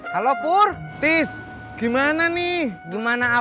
kamu mah mau